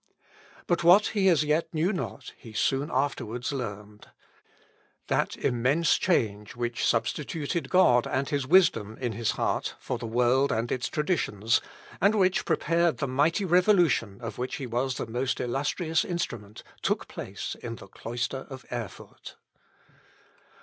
But what he as yet knew not he soon afterwards learned. That immense change which substituted God and His wisdom in his heart for the world and its traditions, and which prepared the mighty revolution of which he was the most illustrious instrument, took place in the cloister of Erfurt.